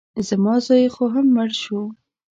زما زوی خو هم مړ شو.